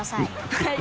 はい。